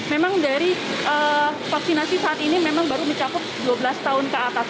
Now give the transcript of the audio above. memang dari vaksinasi saat ini memang baru mencakup dua belas tahun ke atas